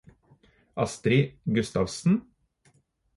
Astri Gustavsen